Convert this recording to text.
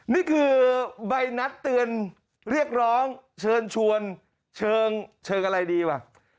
นี่คือใบนัดเตือนเรียกร้องเชิญชวนเชิงอะไรดีว่ะ